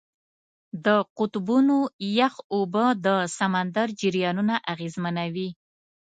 د قطبونو یخ اوبه د سمندر جریانونه اغېزمنوي.